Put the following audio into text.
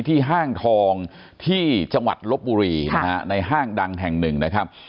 ห้างทองที่จังหวัดลบบุรีนะฮะในห้างดังแห่งหนึ่งนะครับ